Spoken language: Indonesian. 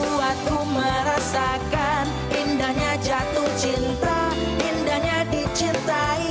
buat ku merasakan indahnya jatuh cinta indahnya dicintai